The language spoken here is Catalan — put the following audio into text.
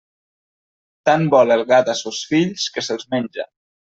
Tant vol el gat a sos fills, que se'ls menja.